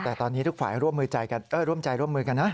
แต่ตอนนี้ทุกฝ่ายร่วมใจร่วมมือกันนะ